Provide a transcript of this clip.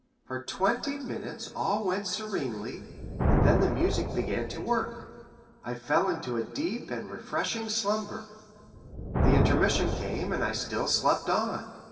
For twenty minutes all went serenely, and then the music began to work. I fell into a deep and refreshing slumber. The intermission came, and still I slept on.